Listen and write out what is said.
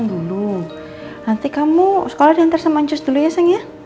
nanti kamu sekolah diantar sama cus dulu ya seng ya